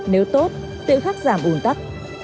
nếu tốt tự khắc giảm ủn tắc